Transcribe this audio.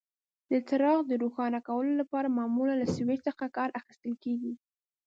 د څراغ د روښانه کولو لپاره معمولا له سویچ څخه کار اخیستل کېږي.